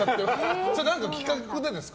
それは何か企画でですか？